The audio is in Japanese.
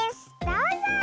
どうぞ！